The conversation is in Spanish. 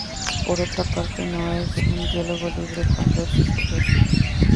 Por otra parte no es un diálogo libre con dos sujetos.